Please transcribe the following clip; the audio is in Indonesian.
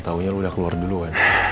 taunya lo udah keluar dulu kan